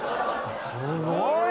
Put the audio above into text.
すごいな！